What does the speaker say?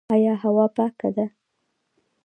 آیا هوا پاکه ده؟